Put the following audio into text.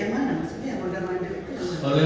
maksudnya yang moda moda itu